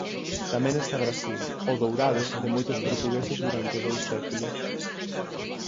Tamén está Brasil, "O Dourado" de moitos portugueses durante dous séculos.